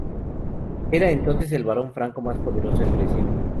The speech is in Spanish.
Era entonces el barón franco más poderoso en Grecia.